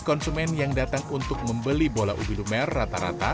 konsumen yang datang untuk membeli bola ubi lumer rata rata